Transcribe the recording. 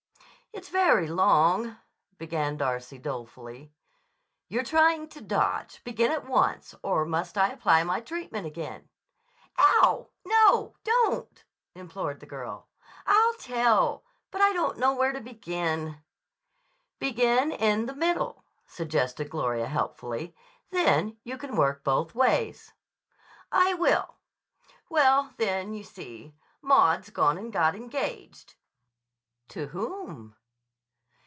"It's very long," began Darcy dolefully. "You're trying to dodge. Begin at once. Or must I apply my treatment again?" "Ow! No! Don't!" implored the girl. "I'll tell. But I don't know where to begin." "Begin in the middle," suggested Gloria helpfully. "Then you can work both ways." "I will. Well, then, you see, Maud's gone and got engaged." "To whom?"